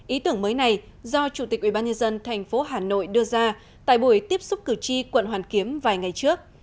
ý tưởng mới này do chủ tịch ubnd tp hà nội đưa ra tại buổi tiếp xúc cử tri quận hoàn kiếm vài ngày trước